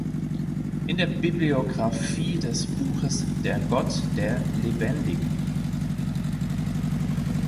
In der Bibliographie des Buches "Der Gott der Lebendigen.